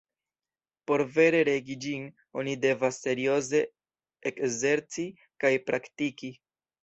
Por vere regi ĝin, oni devas serioze ekzerci kaj praktiki.